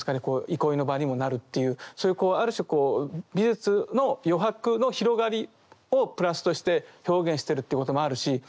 こう憩いの場にもなるというそういうある種こう美術の余白の広がりを「プラス」として表現してるっていうこともあるし